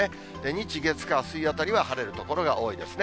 日、月、火、水あたりは晴れる所が多いですね。